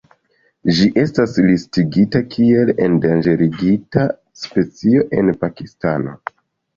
Ĝi estas listigita kiel endanĝerigita specio en Pakistano.